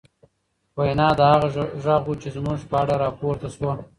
وينا، دا هغه غږ و، چې زموږ په اړه راپورته شو